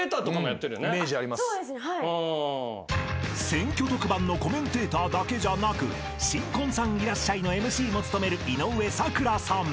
［選挙特番のコメンテーターだけじゃなく『新婚さんいらっしゃい！』のＭＣも務める井上咲楽さん］